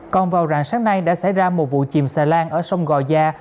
còn vào rạng sáng nay đã xảy ra một vụ chìm xà lan ở sông gò gia